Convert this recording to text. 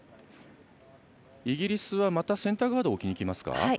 イギリスはまたセンターガードを置きにきますか？